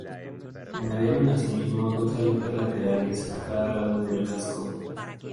Se añadieron asimismo dos aletas laterales, a cada lado del casco.